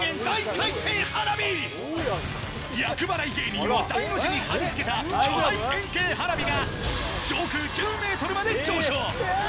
芸人を大の字に貼り付けた巨大円形花火が、上空１０メートルまで上昇。